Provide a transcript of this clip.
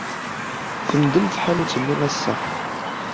Temdel tḥanut-nni ass-a.